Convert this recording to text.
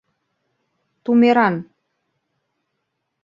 тумеран;